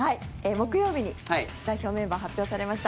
木曜日に代表メンバー、発表されました。